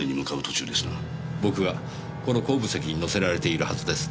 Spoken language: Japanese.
僕がこの後部席に乗せられているはずですね。